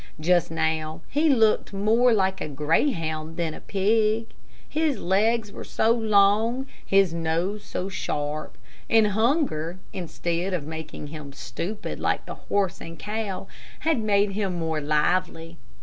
Just now, he looked more like a greyhound than a pig. His legs were so long, his nose so sharp, and hunger, instead of making him stupid like the horse and cow, had made him more lively.